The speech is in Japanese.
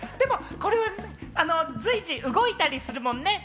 でもこれは随時動いたりするもんね。